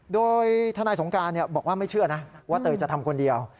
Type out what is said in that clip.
โดยทนายสงการบอกว่าไม่เชื่อนะว่าเตยจะทำคนเดียว